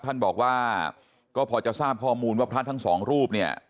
ท่านบอกว่าก็พอจะทราบข้อมูลว่าพระทั้งสองรูปเนี่ย